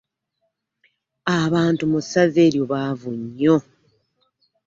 Abantu mu ssaza eryo baavu nnyo.